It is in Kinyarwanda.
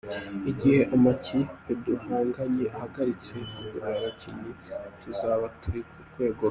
Igihe amakipe duhanganye ahagaritse kugura abakinnyi twe tukagura abakomeye tuzaba turi ku rwego rumwe.